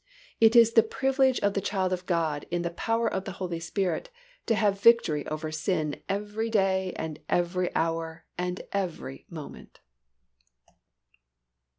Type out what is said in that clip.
_It is the privilege of the child of God in the power of the Holy Spirit to have victory over sin every day and every hour and every moment.